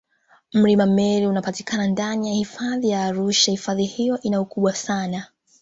Mlima Meru unapatikana ndani ya Hifadhi ya Arusha ifadhi hiyo ina ukubwa sana